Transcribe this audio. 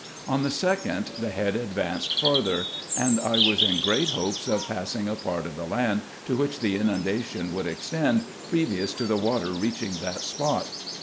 On the 2d the head advanced farther ; and I was in great hopes of passing a part of the land, to which the inundation would extend, previous to the water reaching that spot.